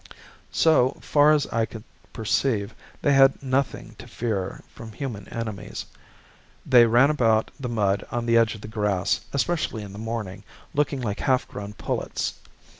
So, far as I could perceive, they had nothing to fear from human enemies. They ran about the mud on the edge of the grass, especially in the morning, looking like half grown pullets.